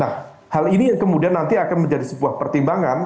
nah hal ini yang kemudian nanti akan menjadi sebuah pertimbangan